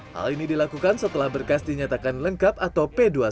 hal ini dilakukan setelah berkas dinyatakan lengkap atau p dua puluh satu